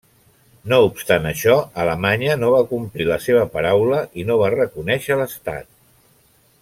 No obstant això, Alemanya no va complir la seva paraula i no va reconèixer l'estat.